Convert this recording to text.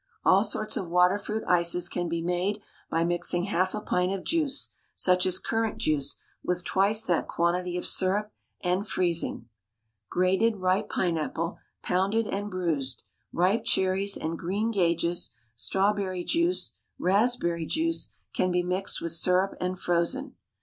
All sorts of water fruit ices can be made by mixing half a pint of juice, such as currant juice, with twice that quantity of syrup, and freezing. Grated ripe pine apple, pounded and bruised, ripe cherries and greengages, strawberry juice, raspberry juice, can be mixed with syrup and frozen.